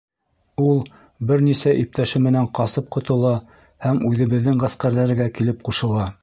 Ул бер нисә иптәше менән ҡасып ҡотола һәм үҙебеҙҙең ғәскәрҙәргә килеп ҡушыла.